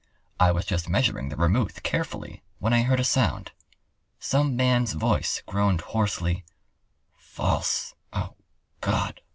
I was just measuring the Vermouth carefully when I heard a sound. Some man's voice groaned hoarsely: "False, oh, God!